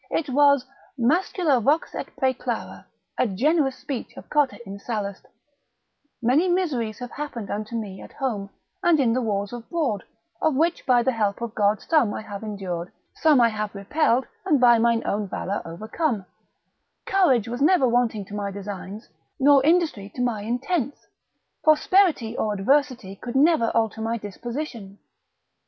It was mascula vox et praeclara, a generous speech of Cotta in Sallust, Many miseries have happened unto me at home, and in the wars abroad, of which by the help of God some I have endured, some I have repelled, and by mine own valour overcome: courage was never wanting to my designs, nor industry to my intents: prosperity or adversity could never alter my disposition.